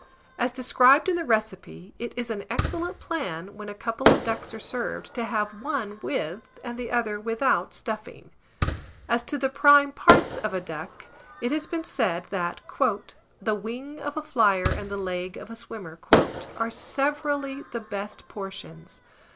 (As described in the recipe, it is an excellent plan, when a couple of ducks are served, to have one with, and the other without stuffing.) As to the prime parts of a duck, it has been said that "the wing of a flier and the leg of a swimmer" are severally the best portions.